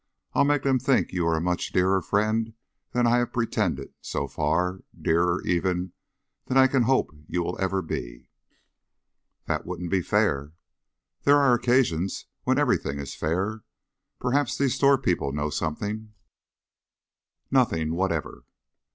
I'll make them think you are a much dearer friend than I have pretended, so far; dearer, even, than I can hope you ever will be." "That wouldn't be fair." "There are occasions when everything is fair. Perhaps these store people know something " "Nothing whatever."